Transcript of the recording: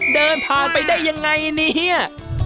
เดินผ่านไปได้ยังไงเนี่ย